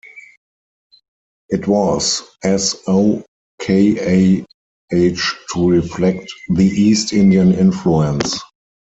It was s-o-k-a-h to reflect the East Indian influence.